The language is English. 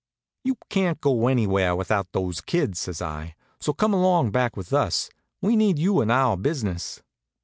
"You can't go anywhere without those kids," says I; "so come along back with us. We need you in our business."